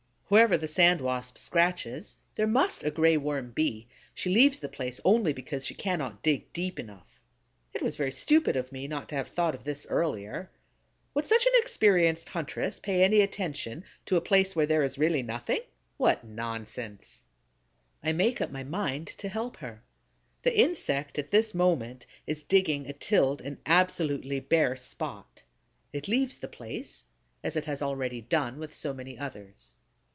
Wherever the Sand Wasp scratches, there must a Gray Worm be; she leaves the place only because she cannot dig deep enough. It was very stupid of me not to have thought of this earlier. Would such an experienced huntress pay any attention to a place where there is really nothing? What nonsense! I make up my mind to help her. The insect, at this moment, is digging a tilled and absolutely bare spot. It leaves the place, as it has already done with so many others.